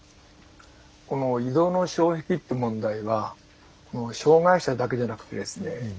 この移動の障壁という問題は障害者だけじゃなくてですね